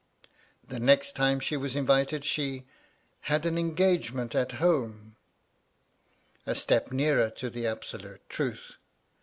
The next time she was invited, she " had an engagement at home "— a step nearer to the absolute truth.